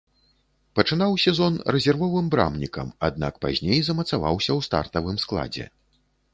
Пачынаў сезон рэзервовым брамнікам, аднак пазней замацаваўся ў стартавым складзе.